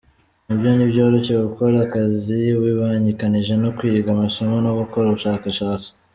Nibyo ntibyoroshye gukora akazi ubibangikanyije no kwiga, amasomo no gukora ubushakashatsi.